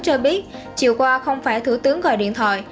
cho biết chiều qua không phải thủ tướng gọi điện thoại